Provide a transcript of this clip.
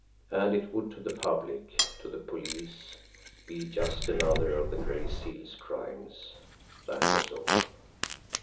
And it would to the public, to the police, be just another of the Gray Seal's crimes that was all!